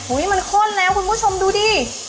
มันข้นแล้วคุณผู้ชมดูดิ